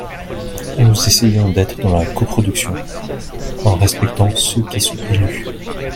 Nous essayons d’être dans la coproduction, en respectant ceux qui sont élus.